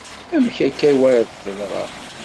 Amek akka i wayeḍ teḍra.